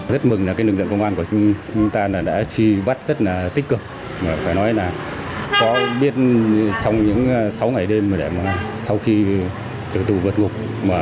rất mừng là lực lượng công an của chúng ta đã truy bắt rất tích cực phải nói là có biết trong những sáu ngày đêm sau khi tử tù vượt ngục